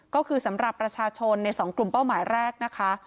ก็คือสำหรับประชาชนใน๒กลุ่มเป้าหมายแรกนะคะ